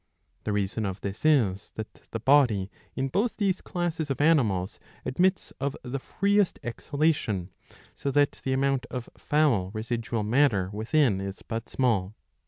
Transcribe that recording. The reason of this is that the body in both these classes of animals admits of the freest exhalation, so that the amount of foul residual matter within is but small.